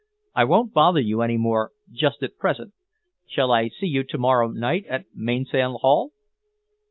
I won't bother you any more just at present. Shall I see you to morrow night at Mainsail Haul?"